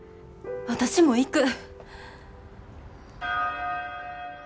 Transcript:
私も行く。